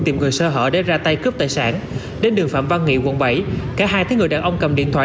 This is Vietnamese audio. tìm người sơ hở để ra tay cướp tài sản đến đường phạm văn nghị quận bảy cả hai thấy người đàn ông cầm điện thoại